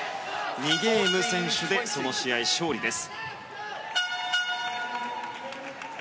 ２ゲーム先取でその試合、勝利です。